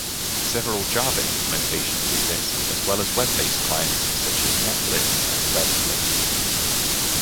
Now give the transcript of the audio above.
Several Java implementations exist, as well as web-based clients, such as NetBlitz and WebBlitz.